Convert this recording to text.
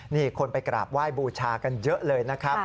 นี่คนไปกราบไหว้บูชากันเยอะเลยนะครับ